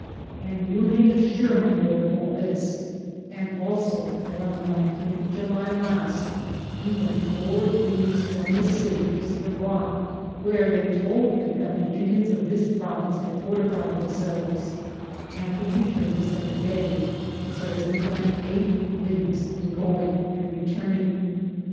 And you 1 may assure my lord of all this, and also that on the 19th of July last he went 4 leagues from this city to see a rock where they told him that the Indians of this province had fortified them selves,' and he returned the same day, so that he went 8 leagues in going and returning.